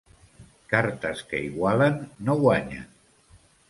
Cartes que igualen no guanyen.